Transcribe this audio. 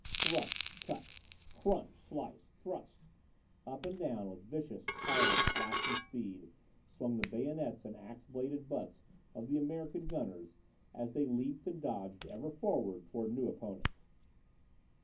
Thrust! Cut! Crunch! Slice! Thrust! Up and down with vicious, tireless, flashing speed, swung the bayonets and ax bladed butts of the American gunners as they leaped and dodged, ever forward, toward new opponents.